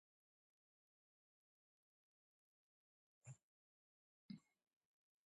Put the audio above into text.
په همدې کې پرېشانۍ وړی یم.